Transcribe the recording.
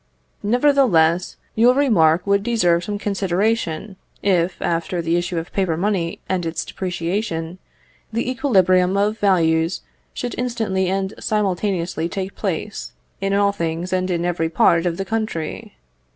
Nevertheless, your remark would deserve some consideration, if, after the issue of paper money and its depreciation, the equilibrium of values should instantly and simultaneously take place, in all things and in every part of the country.